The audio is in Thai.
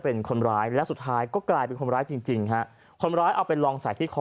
พ์ส่งให้